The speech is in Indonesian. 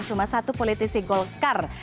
cuma satu politisi golkar